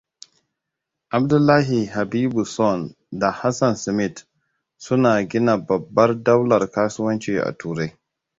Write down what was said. Abdullahi Habibuson da Hassan Smith suna gina babbar daular kasuwanci a Turai.